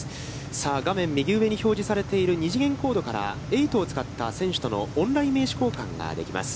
さあ、画面右上に表示されている二次元コードからＥｉｇｈｔを使った選手とのオンライン名刺交換ができます。